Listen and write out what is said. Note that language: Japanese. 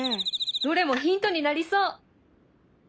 どれもヒントになりそう！